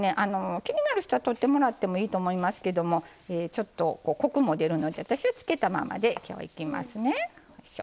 気になる人は取ってもらってもいいと思いますけどもちょっとコクも出るので私はつけたままで今日はいきますね。